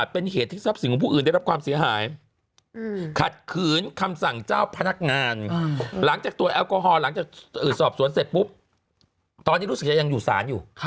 พอหลังจากสอบสวนเสร็จปุ๊บตอนนี้รู้สึกจะยังอยู่สารอยู่